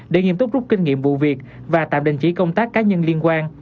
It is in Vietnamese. để nghiêm túc rút kinh nghiệm vụ việc và tạm đình chỉ công tác cá nhân liên quan